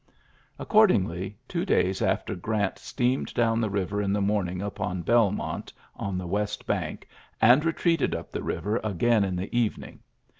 '' Accordingly, two days after Grant steamed down the river in the morning upon Belmont on the west bank, and retreated up the river * again in the evening.